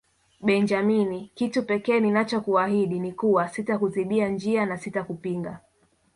Benjamin kitu pekee ninachokuahidi ni kuwa sitakuzibia njia na sitakupinga